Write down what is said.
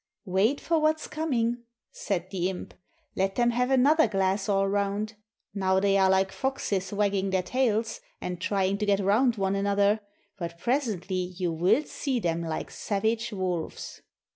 "Wait for what's coming/' said the imp. "Let them have another glass all round. Now they are like foxes, wagging their tails and trying to get round one another; but presently you will see them like savage wolves."